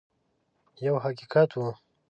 یو حقیقت وو.